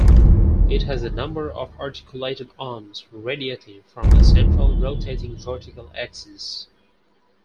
It has a number of articulated arms radiating from a central rotating vertical axis.